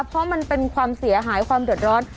เพราะมันเป็นความเสียหายความเดือดร้อน